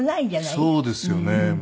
そうですよね。